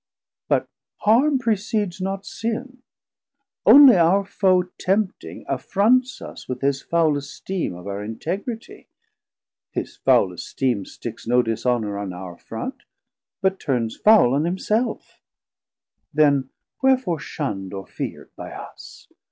But harm precedes not sin: onely our Foe Tempting affronts us with his foul esteem Of our integritie: his foul esteeme Sticks no dishonor on our Front, but turns 330 Foul on himself; then wherfore shund or feard By us?